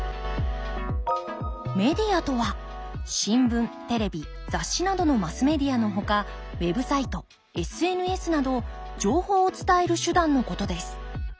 メディアとは新聞テレビ雑誌などのマスメディアのほかウェブサイトＳＮＳなど情報を伝える手段のことです。